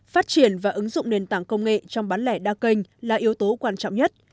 phát triển và ứng dụng nền tảng công nghệ trong bán lẻ đa kênh là yếu tố quan trọng nhất